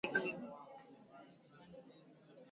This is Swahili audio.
Katika vita yeye ni kimbilio.